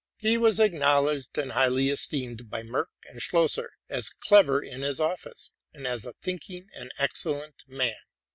He was ac knowledged and highly esteemed by Merck and Schlosser as clever in his office, and as a thinking and excellent man.